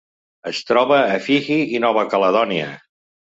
Es troba a Fiji i Nova Caledònia.